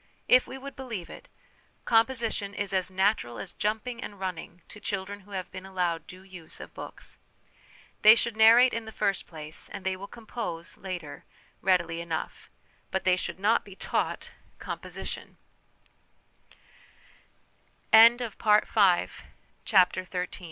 If we would believe it, composition is as natural as jumping and running to children who have been allowed due use of books. They should narrate in the first place, and they will compose, later, readily enough ; but they should not be taught ' com